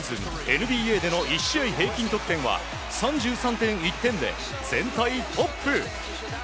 ＮＢＡでの１試合平均得点は３３．１点で全体トップ。